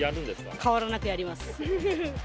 変わらなくやります。